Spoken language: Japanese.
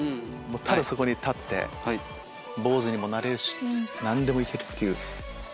ただそこに立って坊主にもなれるし何でも行ける。